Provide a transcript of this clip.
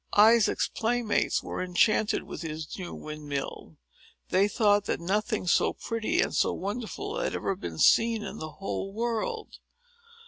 Isaac's playmates were enchanted with his new windmill. They thought that nothing so pretty, and so wonderful, had ever been seen in the whole world.